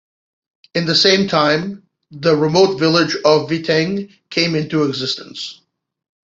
In the same time, the remote village of Vitteng came into existence.